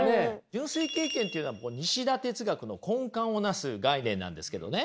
純粋経験っていうのは西田哲学の根幹を成す概念なんですけどね